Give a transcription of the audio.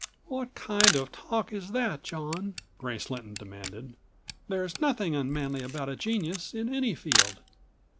"What kind of talk is that, John?" Grace Lynton demanded. "There's nothing unmanly about a genius, in any field."